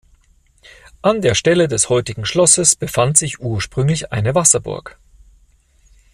An der Stelle des heutigen Schlosses befand sich ursprünglich eine Wasserburg.